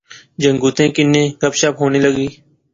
جنگتیں کنے گپ شپ ہونے لغی